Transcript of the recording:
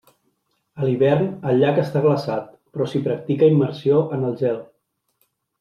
A l'hivern, el llac està glaçat, però s'hi practica immersió en el gel.